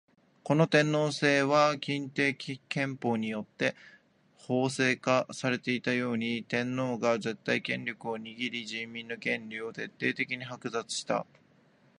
この天皇制は欽定憲法によって法制化されていたように、天皇が絶対権力を握り人民の権利を徹底的に剥奪した。